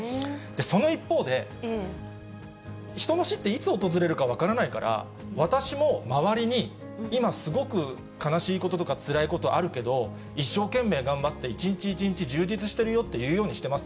その一方で、人の死っていつ訪れるか分からないから、私も周りに、今すごく悲しいこととか、つらいこととかあるけど、一生懸命頑張って一日一日充実してるよって言うようにしてます。